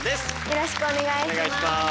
よろしくお願いします。